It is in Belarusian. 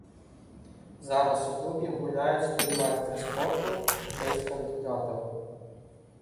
Зараз у клубе гуляюць тры майстры спорту, шэсць кандыдатаў.